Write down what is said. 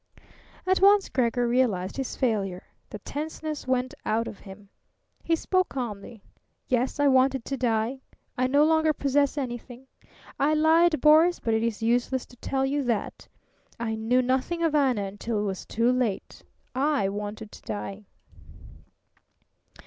At once Gregor realized his failure. The tenseness went out of him. He spoke calmly. "Yes, I wanted to die. I no longer possess anything. I lied, Boris; but it is useless to tell you that. I knew nothing of Anna until it was too late. I wanted to die."